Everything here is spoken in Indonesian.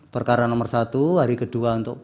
perkara nomor satu hari kedua untuk